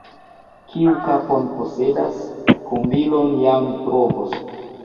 Kiu kapon posedas, kombilon jam trovos.